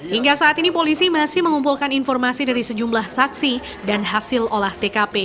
hingga saat ini polisi masih mengumpulkan informasi dari sejumlah saksi dan hasil olah tkp